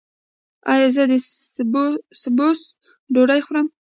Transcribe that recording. ایا زه د سبوس ډوډۍ وخورم؟